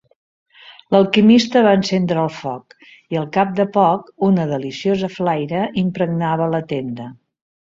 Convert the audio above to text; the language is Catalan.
L'Alquimista va encendre el foc i al cap de poc una deliciosa flaire impregnava la tenda.